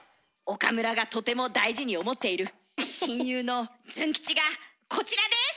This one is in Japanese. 岡村がとても大事に思っている親友のズン吉がこちらです！